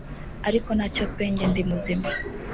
ariko ntacyo pe njye ndi muzima